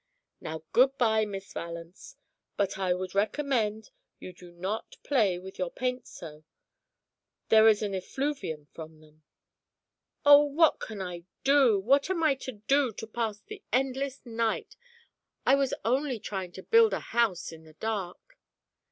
"Now good bye, Miss Valence. But I would recommend you not to play with your paints so. There is an effluvium from them." "Oh, what can I do, what am I to do to pass the endless night? I was only trying to build a house in the dark."